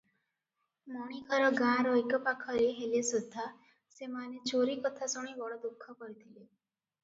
ମଣିଘର ଗାଁର ଏକପାଖରେ ହେଲେ ସୁଦ୍ଧା ସେମାନେ ଚୋରି କଥା ଶୁଣି ବଡ଼ ଦୁଃଖ କରିଥିଲେ ।